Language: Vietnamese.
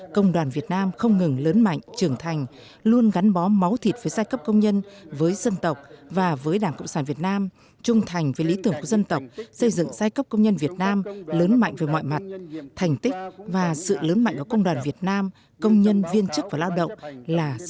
công đoàn việt nam không ngừng lớn mạnh trưởng thành luôn gắn bó máu thịt với giai cấp công nhân với dân tộc và với đảng cộng sản việt nam trung thành với lý tưởng của dân tộc xây dựng giai cấp công nhân việt nam lớn mạnh về mọi mặt thành tích và sự lớn mạnh của công đoàn việt nam công nhân viên chức và lao động là